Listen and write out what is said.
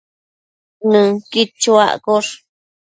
Nënquid chuaccosh